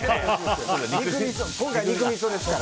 今回、肉みそですから。